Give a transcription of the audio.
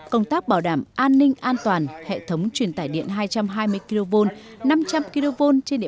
công tác bảo đảm an ninh an toàn hệ thống truyền tài điện hai trăm hai mươi kv năm trăm linh kv